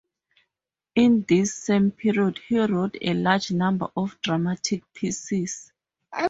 In this same period he wrote a large number of dramatic pieces.